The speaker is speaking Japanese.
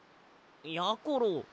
やころ